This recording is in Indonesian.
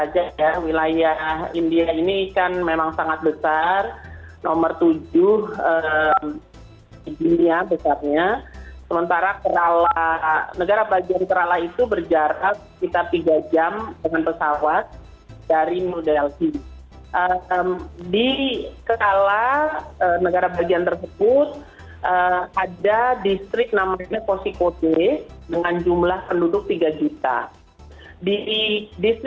jadi sekedar gambaran saja ya wilayah india ini kan memang sangat besar